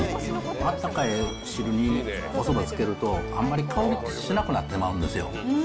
あったかい汁におそばつけると、あんまり香りってしなくなってまうんですよ。